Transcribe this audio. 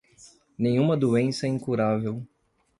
Nenhuma doença é incurável